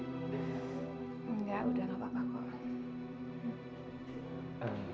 enggak udah gak apa apa kok